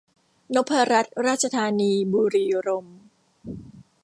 นพรัตน์ราชธานี บุรีรมย์